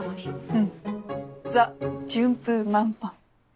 うんザ・順風満帆。